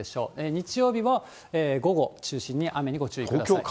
日曜日も午後中心に雨にご注意ください。